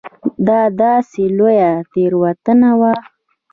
دا داسې لویه تېروتنه وه.